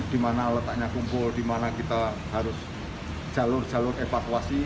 di mana letaknya kumpul di mana kita harus jalur jalur evakuasi